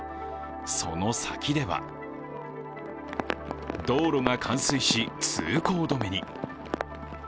その先では、道路が冠水し通行止めに。